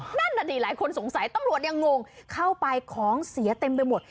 นั่นน่ะดิหลายคนสงสัยตำรวจยังงงเข้าไปของเสียเต็มไปหมด